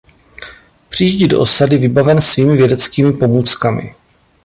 Přijíždí do osady vybaven svými vědeckými pomůckami.